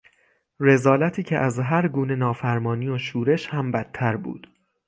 رذالتی که از هر گونه نافرمانی و شورش هم بدتر بود.